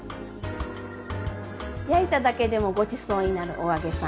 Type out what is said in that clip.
焼いただけでもごちそうになるお揚げさん。